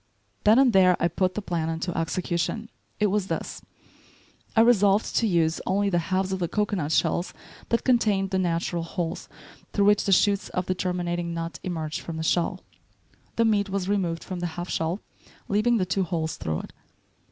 Then and there I put the plan into execution. It was this: I resolved to use only the halves of the cocoanut shells that contained the natural holes through which the shoots of the germinating nut emerge from the shell. The meat was removed from the half shell, leaving the two holes through it.